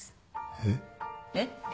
えっ？えっ？